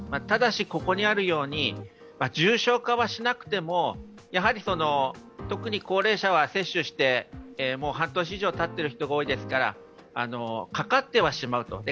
ただし、ここにあるように、重症化はしなくても特に高齢者は接種してもう半年以上たっている人が多いですから、かかってはしまうと。